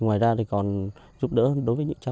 ngoài ra còn giúp đỡ đối với những cháu